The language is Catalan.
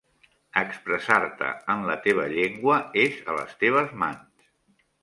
Expressar-te en la teva llengua és a les teves mans.